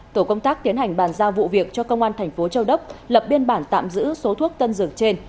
tổ công tác tiến hành bàn giao vụ việc cho công an thành phố châu đốc lập biên bản tạm giữ số thuốc tân dược trên